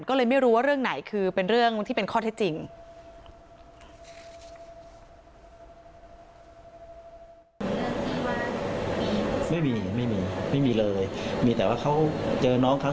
ก็เลยไม่รู้ว่าเรื่องไหนคือเป็นเรื่องที่เป็นข้อเท็จจริง